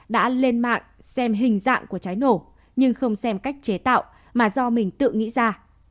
đã lên mạng xem hình dạng của trái nổ nhưng không xem cách chế tạo mà do mình tự nghĩ ra